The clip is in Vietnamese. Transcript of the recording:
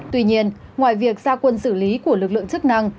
tuy nhiên ngoài việc gia quân xử lý của lực lượng chức năng